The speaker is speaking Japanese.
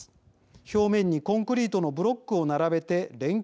表面にコンクリートのブロックを並べて連結させています。